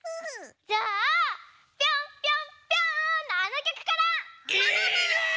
じゃあ「ピョンピョンピョーン！」のあのきょくから！